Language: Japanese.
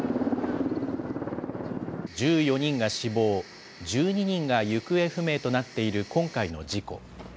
１４人が死亡、１２人が行方不明となっている今回の事故。